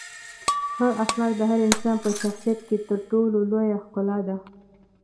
ښه اخلاق د هر انسان په شخصیت کې تر ټولو لویه ښکلا ده.